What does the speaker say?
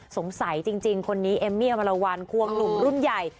สงสัยจริงคนนี้เอมมี่อมรวรรณควงหนุ่มรุ่นใหญ่